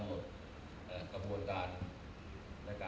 อุทธานจ